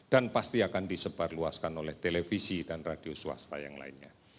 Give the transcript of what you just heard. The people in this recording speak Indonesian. dan pasti akan disebarluaskan oleh televisi dan radio swasta yang lainnya